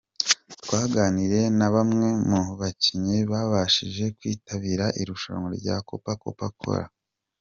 Twaganiriye na bamwe mu bakinnyi babashije kwitabira irushanwa rya copa coca-cola.